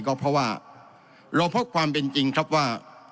ก็เพราะว่าเราพบความเป็นจริงครับว่า